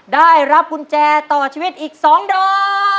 ได้รับกุญแจต่อชีวิตอีก๒ดอก